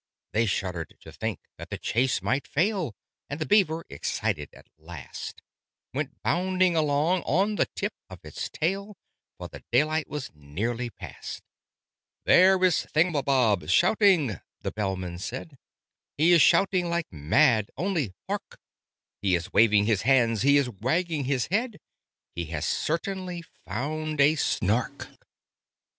They shuddered to think that the chase might fail, And the Beaver, excited at last, Went bounding along on the tip of its tail, For the daylight was nearly past. "There is Thingumbob shouting!" the Bellman said, "He is shouting like mad, only hark! He is waving his hands, he is wagging his head, He has certainly found a Snark!"